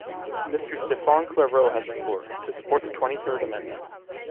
Mr Stéphane Claireaux has the floor, to support the twenty-third amendment.